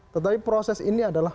tetapi proses ini adalah